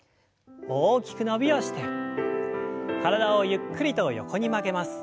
大きく伸びをして体をゆっくりと横に曲げます。